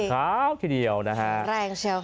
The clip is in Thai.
คราวทีเดียวนะฮะแรงเชียว